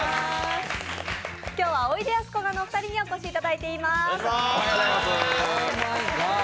今日はおいでやすこがのお二人にお越しいただいています。